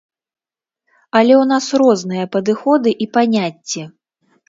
Але ў нас розныя падыходы і паняцці.